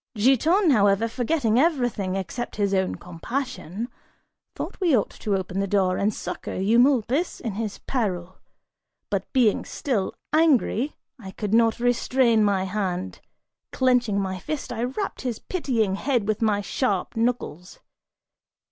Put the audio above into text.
Giton, however, forgetting everything except his own compassion, thought we ought to open the door and succor Eumolpus, in his peril; but being still angry, I could not restrain my hand; clenching my fist, I rapped his pitying head with my sharp knuckles.